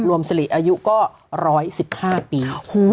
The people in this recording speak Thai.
รวมสลิอายุก็๑๑๕ปี